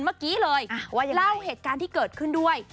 เมื่อกี้เลยเล่าเหตุการณ์ที่เกิดขึ้นด้วย